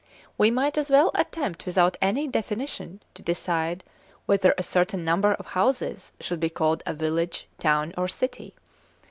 We might as well attempt without any definition to decide whether a certain number of houses should be called a village, town, or city.